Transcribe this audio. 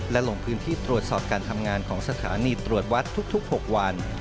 และลงพื้นที่ตรวจสอบการทำงานของสถานีตรวจวัดทุก๖วัน